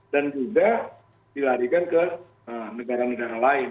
dan juga dilarikan ke negara negara lain